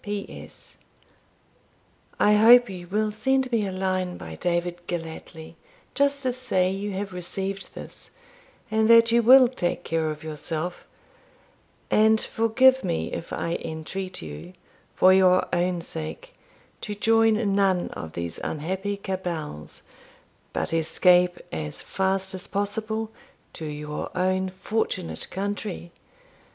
P.S. I hope you will send me a line by David Gellatley, just to say you have received this and that you will take care of yourself; and forgive me if I entreat you, for your own sake, to join none of these unhappy cabals, but escape, as fast as possible, to your own fortunate country.